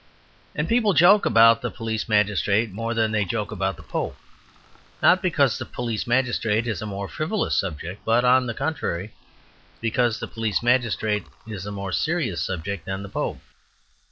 And people joke about the police magistrate more than they joke about the Pope, not because the police magistrate is a more frivolous subject, but, on the contrary, because the police magistrate is a more serious subject than the Pope.